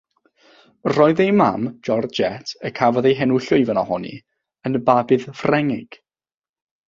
Roedd ei mam, Georgette, y cafodd ei henw llwyfan ohoni, yn Babydd Ffrengig.